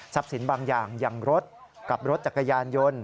ทรัพย์ศิลป์บางอย่างอย่างรถกับรถจักรยานยนต์